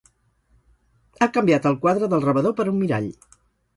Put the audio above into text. Ha canviat el quadre del rebedor per un mirall.